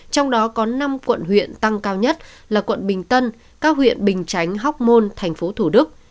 trong đó có năm quận huyện tăng cao nhất là quận bình tân các huyện bình chánh hóc môn tp thủ đức